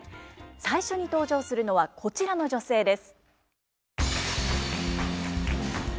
最初に登場するのはこちらの女性です。